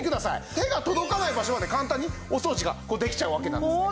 手が届かない場所まで簡単にお掃除ができちゃうわけなんですね。